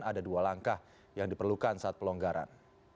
ada dua langkah yang diperlukan saat pelonggaran